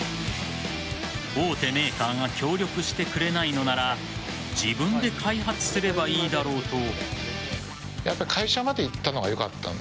大手メーカーが協力してくれないのなら自分で開発すればいいだろうと。